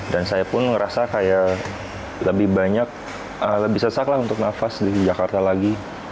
dan saya pun merasa kayak lebih banyak lebih sesak lah untuk nafas di jakarta lagi